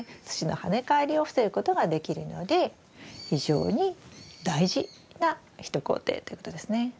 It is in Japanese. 土の跳ね返りを防ぐことができるので非常に大事な一工程ということですね。